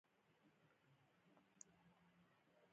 زده کړه نجونو ته د ملي سرود زده کوي.